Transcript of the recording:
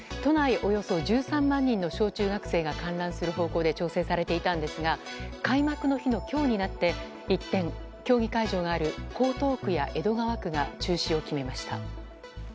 およそ１３万人の小中学生が観覧する方向で調整されていたんですが開幕の日の今日になって一転競技会場がある江東区や江戸川区が中止を決めました。